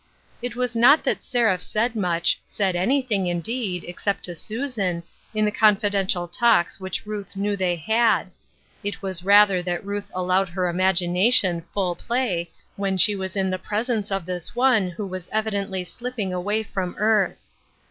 It was not that Seraph said much, said anything, indeed, except to Susan, in the confidential talks which Ruth knew they had ; it was rather that Ruth allowed her imagination full play when she was in the presence of this 2j4 transformation. one who was evidently slipping away from earth.